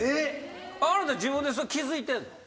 あなた自分でそれ気付いてんの？